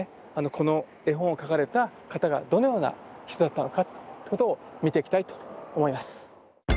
この絵本を描かれた方がどのような人だったのかってことを見ていきたいと思います。